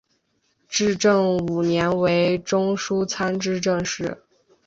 至正五年为中书参知政事。